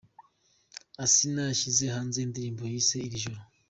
Asinah yashyize hanze indirimbo yise 'Iri joro'.